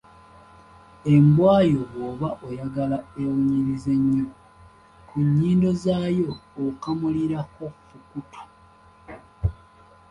Embwa yo bw’oba oyagala ewunyirize nnyo, ku nnyindo zaayo okamulirako Fukutu.